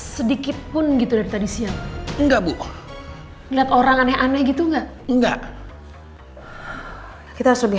sedikitpun gitu dari tadi siang enggak bu lihat orang aneh aneh gitu enggak enggak kita lebih